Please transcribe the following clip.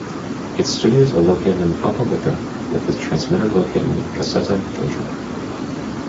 Its studios are located in Opelika, with its transmitter located in Cusseta, Georgia.